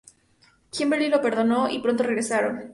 Kimberley lo perdonó y pronto regresaron.